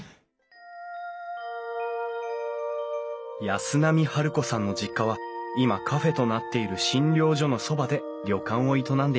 安波治子さんの実家は今カフェとなっている診療所のそばで旅館を営んでいました。